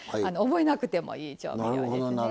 覚えなくてもいい状況ですね。